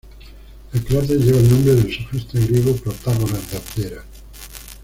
El cráter lleva el nombre del sofista griego Protágoras de Abdera.